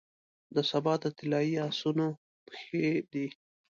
د سبا د طلایې اسانو پښې دی،